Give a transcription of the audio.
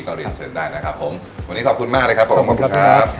ก็เรียนเชิญได้นะครับวันนี้ขอบคุณมากครับ